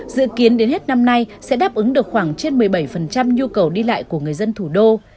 dự kiến đến hết năm nay sẽ đáp ứng được khoảng trên một mươi bảy nhu cầu đi lại của người dân thủ đô